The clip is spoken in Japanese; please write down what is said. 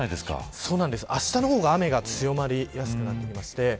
あしたの午後に雨が強まりやすくなっています。